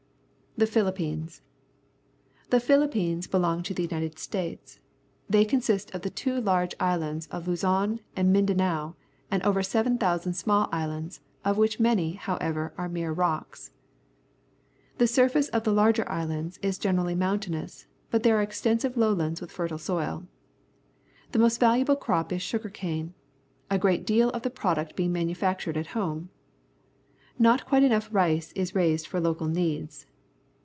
The Philippines. — The Philippines belong to the Ignited States. They con.sist of the two large islands of Luzon and Mindanao, and over 7,000 small islands, of which many, however, are mere rocks. The surface of the larger islands is gen erally mountainous, but there are exten.sive lowlands with fertile soil. The most valuable crop is sugar cane, a great deal of the product being manufactured at home. Not quite enough rice is raised for local needs.